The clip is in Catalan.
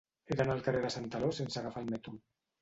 He d'anar al carrer de Santaló sense agafar el metro.